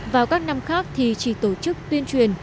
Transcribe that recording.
vào các năm khác thì chỉ tổ chức tuyên truyền